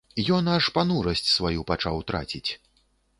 Ён аж панурасць сваю пачаў траціць.